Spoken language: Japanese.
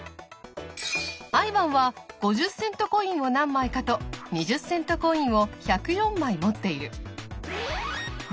アイヴァンは５０セントコインを何枚かと２０セントコインを１０４枚持っている。